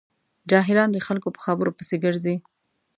جاهلان د خلکو په خبرو پسې ګرځي.